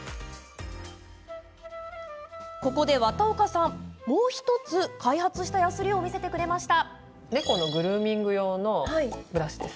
ここで綿岡さんもう１つ、開発したやすりを見せてくれました。